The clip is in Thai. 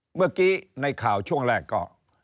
เมื่อกี้ในข่าวช่วงแรกก็